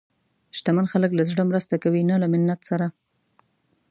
شتمن خلک له زړه مرسته کوي، نه له منت سره.